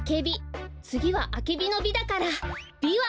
つぎはアケビの「ビ」だからビワ！